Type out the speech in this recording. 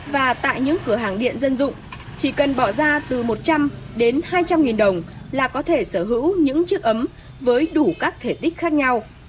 và tại những cửa hàng điện dân dụng chỉ cần bỏ ra từ một trăm linh đến hai trăm linh nghìn đồng là có thể sở hữu những chiếc ấm với đủ các thể tích khác nhau